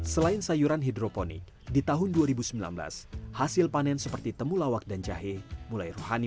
selain sayuran hidroponik di tahun dua ribu sembilan belas hasil panen seperti temulawak dan jahe mulai rohani